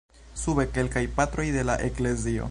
Sube, kelkaj Patroj de la Eklezio.